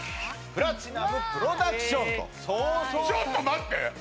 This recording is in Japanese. プラチナムプロダクションと錚々たるちょっと待って！